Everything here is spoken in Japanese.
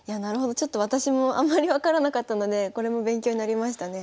ちょっと私もあんまり分からなかったのでこれも勉強になりましたね。